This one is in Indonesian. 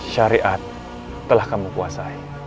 syariat telah kamu puasai